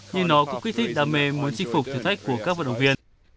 nhưng nó cũng kích thích đam mê muốn chinh phục thử thách của các vận động viên